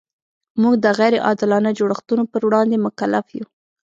موږ د غیر عادلانه جوړښتونو پر وړاندې مکلف یو.